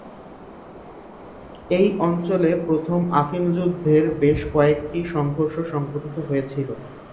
এই অঞ্চলে প্রথম আফিম যুদ্ধের বেশ কয়েকটি সংঘর্ষ সংঘটিত হয়েছিল।